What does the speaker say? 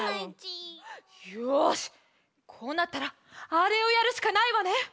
よしこうなったらあれをやるしかないわね。